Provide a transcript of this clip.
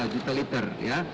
satu tiga juta liter ya